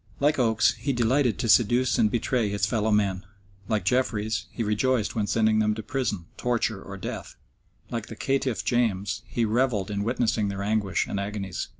Like Oates, he delighted to seduce and betray his fellow men; like Jeffreys, he rejoiced when sending them to prison, torture, or death; like the caitiff James, he revelled in witnessing their anguish and agonies.